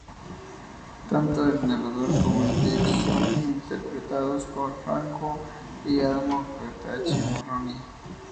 Tanto el narrador como Jake son interpretados por Franco y Adamo Bertacchi-Morroni.